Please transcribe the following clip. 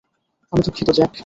আমি দুঃখিত, জ্যাক!